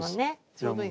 ちょうどいい。